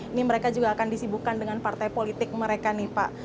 ini mereka juga akan disibukan dengan partai politik mereka nih pak